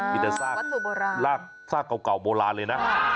มีแต่ซากเก่าโบราณเลยนะ